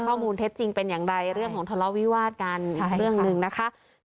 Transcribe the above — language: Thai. เท็จจริงเป็นอย่างไรเรื่องของทะเลาวิวาสกันอีกเรื่องหนึ่งนะคะ